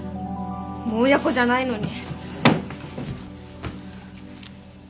もう親子じゃないのに。